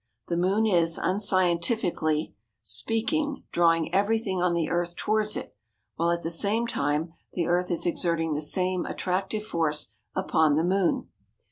The moon is, unscientifically speaking, drawing everything on the earth towards it, while at the same time the earth is exerting the same attractive force upon the moon.